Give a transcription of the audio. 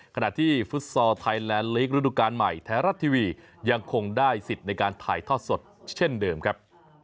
ขณะที่ฟุตซอลไทยแลนด์ลีกระดูกาลใหม่ไทยรัฐทีวียังคงได้สิทธิ์ในการถ่ายทอดสดเช่นเดิมครับ